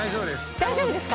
大丈夫ですか？